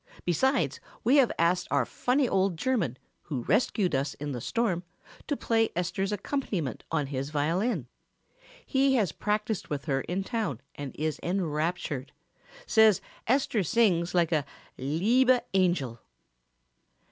Besides we have asked our funny old German, who rescued us in the storm, to play Esther's accompaniment on his violin. He has practiced with her in town and is enraptured. Says Esther sings like a 'liebe angel.'"